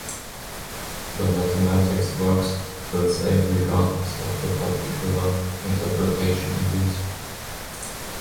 The mathematics works the same regardless of the particular interpretation in use.